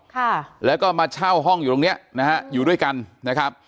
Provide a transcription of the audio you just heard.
ค่ะแล้วก็มาเช่าห้องอยู่ตรงเนี้ยนะฮะอยู่ด้วยกันนะครับ